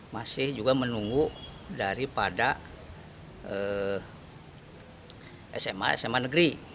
masih juga menunggu daripada sma sma negeri